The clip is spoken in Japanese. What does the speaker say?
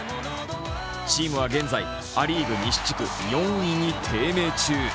チームは現在、ア・リーグ西地区４位に低迷中。